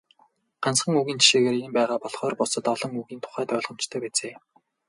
Ганцхан үгийн жишээгээр ийм байгаа болохоор бусад олон үгийн тухайд ойлгомжтой биз ээ.